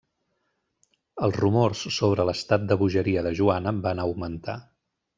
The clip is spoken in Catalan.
Els rumors sobre l'estat de bogeria de Joana van augmentar.